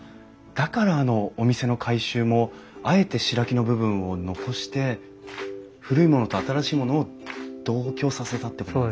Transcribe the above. だからあのお店の改修もあえて白木の部分を残して古いものと新しいものを同居させたってこと。